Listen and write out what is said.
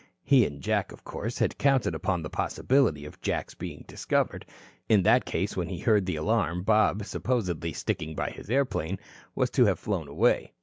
He and Jack, of course, had counted upon the possibility of Jack's being discovered. In that case, when he heard the alarm, Bob supposedly sticking by his airplane was to have flown away.